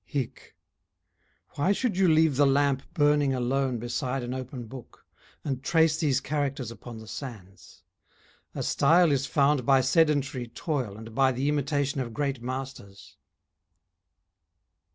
HIC Why should you leave the lamp Burning alone beside an open book, And trace these characters upon the sands; A style is found by sedentary toil And by the imitation of great masters.